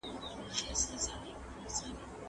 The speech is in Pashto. تاسو بايد د مطالعې له لاري خپل ذهن ته پراختيا ورکړئ.